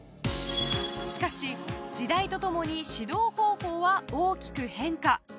しかし、時代と共に指導方法は大きく変化。